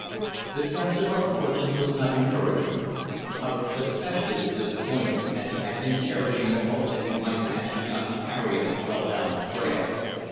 The test of our fortunes was not encouraging. Hubbard especially was disappointed, as he had been cherishing the hope that we might catch enough to carry us well down the trail.